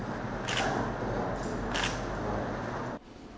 công an phường thái thỉnh